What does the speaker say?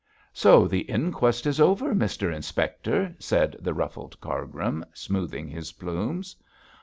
'So the inquest is over, Mr Inspector,' said the ruffled Cargrim, smoothing his plumes.